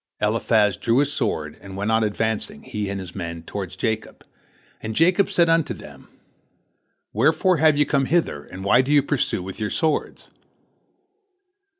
Eliphaz drew his sword and went on advancing, he and his men, toward Jacob, and Jacob said unto them, "Wherefore have you come hither, and why do you pursue with your swords?"